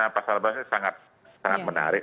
pasar berasnya sangat menarik